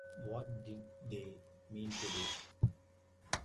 What did they mean to do?